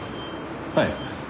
はい。